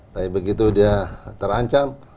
tapi begitu dia terancam